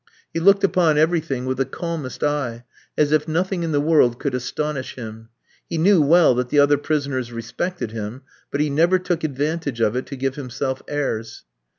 He looked upon everything with the calmest eye, as if nothing in the world could astonish him. He knew well that the other prisoners respected him; but he never took advantage of it to give himself airs.